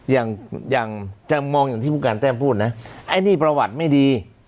อย่างอย่างจะมองอย่างที่ผู้การแต้มพูดนะไอ้นี่ประวัติไม่ดี